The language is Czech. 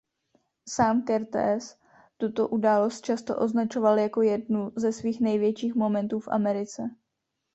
Sám Kertész tuto událost často označoval jako jednu ze svých největších momentů v Americe.